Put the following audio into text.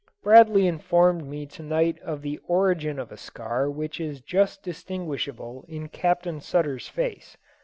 Bradley informed me to night of the origin of a scar which is just distinguishable in Captain Sutter's face.